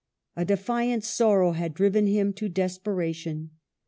A defiant sorrow had driven him to des peration.